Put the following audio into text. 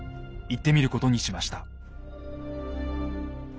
行ってみることにしました。